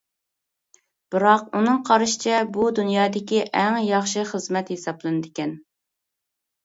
بىراق ئۇنىڭ قارىشىچە، بۇ «دۇنيادىكى ئەڭ ياخشى خىزمەت» ھېسابلىنىدىكەن.